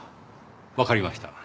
わかりました。